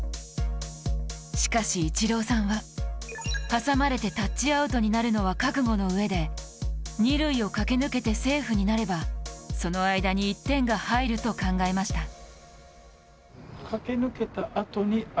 しかしイチローさんは、はさまれてタッチアウトになるのは覚悟の上で２塁を駆け抜けてセーフになれば、その間に１点が入ると考えました。